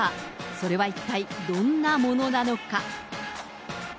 それは一体どんなものなのか。